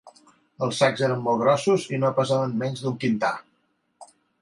Els sacs eren molt grossos i no pesaven menys d'un quintar